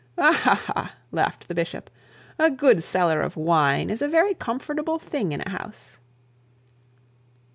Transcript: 'Ha, ha, ha!' laughed the bishop, 'a good cellar of wine is a very comfortable thing in a house.'